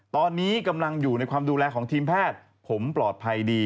ตอนนี้กำลังอยู่ในความดูแลของทีมแพทย์ผมปลอดภัยดี